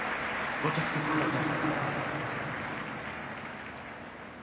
ご着席ください。